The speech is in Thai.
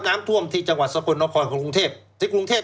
น้ำท่วมที่จังหวัดสกลนครกรุงเทพฯ